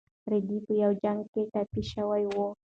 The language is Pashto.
رېدی په یو جنګ کې ټپي شوی و.